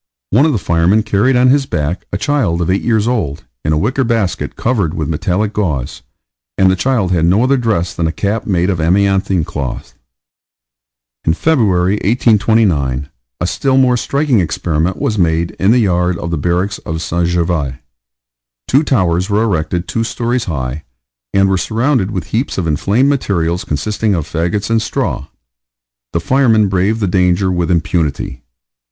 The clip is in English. One of the firemen carried on his back a child eight years old, in a wicker basket covered with metallic gauze, and the child had no other dress than a cap made of amianthine cloth. In February, 1829, a still more striking experiment was made in the yard of the barracks of St. Gervais. Two towers were erected two stories high, and were surrounded with heaps of inflamed materials consisting of fagots and straw. The firemen braved the danger with impunity.